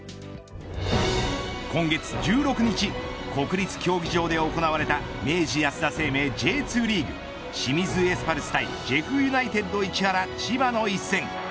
今月１６日国立競技場で行われた明治安田生命Ｊ２リーグ清水エスパルス対ジェフユナイテッド市原千葉の一戦。